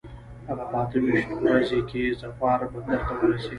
هغه په اته ویشت ورځي کې ظفار بندر ته ورسېد.